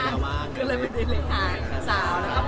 ก็เลยไปไดริกอ่านสาวนะครับ